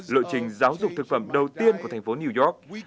lộ trình giáo dục thực phẩm đầu tiên của thành phố new york